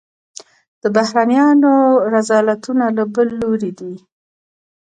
د بهرنیانو رذالتونه له بل لوري دي.